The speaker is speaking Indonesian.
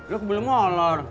lu belum ngolor